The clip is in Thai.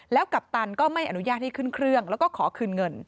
กัปตันก็ไม่อนุญาตให้ขึ้นเครื่องแล้วก็ขอคืนเงิน